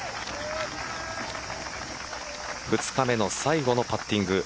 ２日目の最後のパッティング。